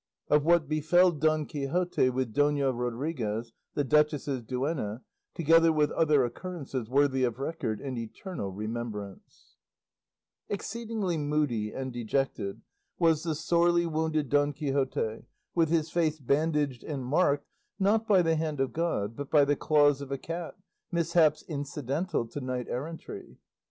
OF WHAT BEFELL DON QUIXOTE WITH DONA RODRIGUEZ, THE DUCHESS'S DUENNA, TOGETHER WITH OTHER OCCURRENCES WORTHY OF RECORD AND ETERNAL REMEMBRANCE Exceedingly moody and dejected was the sorely wounded Don Quixote, with his face bandaged and marked, not by the hand of God, but by the claws of a cat, mishaps incidental to knight errantry.